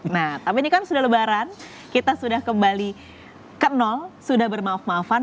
nah tapi ini kan sudah lebaran kita sudah kembali ke nol sudah bermaaf maafan